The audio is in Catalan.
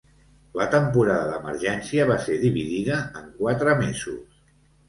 La temporada d'emergència va ser dividida en quatre mesos.